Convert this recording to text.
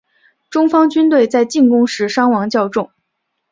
中方军队在进攻时伤亡较重。